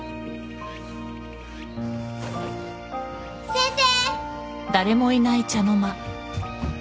先生！